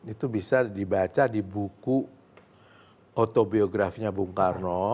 itu bisa dibaca di buku autobiografinya bung karno